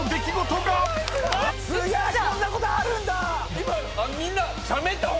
今みんな。